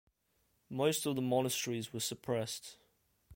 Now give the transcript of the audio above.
Most of the monasteries were suppressed.